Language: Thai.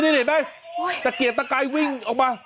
นี่เห็นไหมตะเกียกตะกายวิ่งออกมา